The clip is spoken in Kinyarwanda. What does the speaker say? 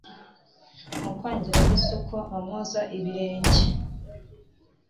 Mu kwangira Yesu ko amwoza ibirenge,